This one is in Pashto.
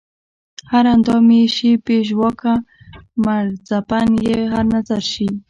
هر اندام ئې شي بې ژواکه مړڅپن ئې هر نظر شي